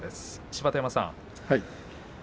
芝田山さん。